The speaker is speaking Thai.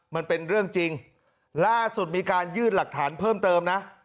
มันเป็นเรื่องจริงล่าสุดมีการยื่นหลักฐานเพิ่มเติมนะ